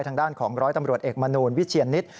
ทางด้านของร้อยตำรวจเอกมนูลวิเชียนนิต